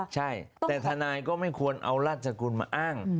ใช่แต่ทนายก็ไม่ควรเอาราชกุลมาอ้าง